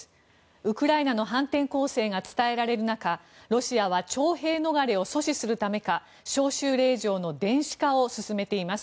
ウクライナの反転攻勢が伝えられる中ロシアは徴兵逃れを阻止するためか招集令状の電子化を進めています。